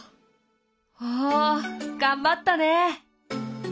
おお頑張ったね。